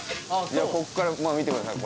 こっからまあ見てください